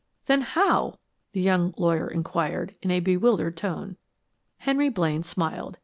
"Then how " the young lawyer inquired, in a bewildered tone. Henry Blaine smiled.